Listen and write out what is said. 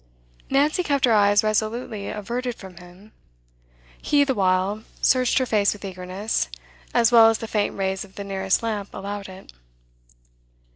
Nancy kept her eyes resolutely averted from him; he, the while, searched her face with eagerness, as well as the faint rays of the nearest lamp allowed it.